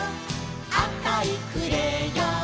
「あかいクレヨン」